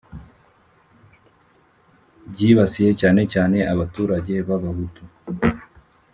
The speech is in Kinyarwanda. bwibasiye cyane cyane abaturage b'abahutu,